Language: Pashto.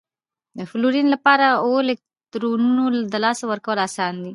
د فلورین لپاره اوو الکترونو د لاسه ورکول اسان دي؟